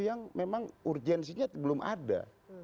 yang memang urgensinya belum ada